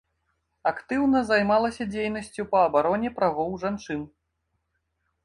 Актыўна займалася дзейнасцю па абароне правоў жанчын.